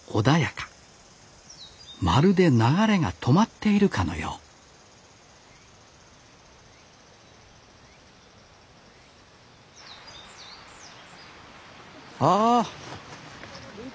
まるで流れが止まっているかのようああ！